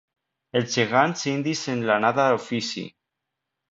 Els gegants Indis en l'anada a Ofici.